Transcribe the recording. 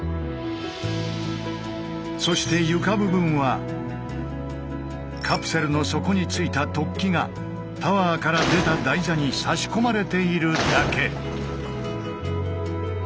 そして床部分はカプセルの底についた突起がタワーから出た台座に差し込まれているだけ。